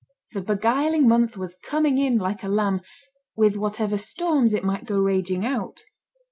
The beguiling month was coming in like a lamb, with whatever storms it might go raging out.